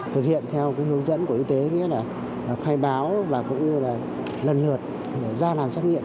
thực hiện theo hướng dẫn của y tế khai báo và lần lượt ra làm xét nghiệm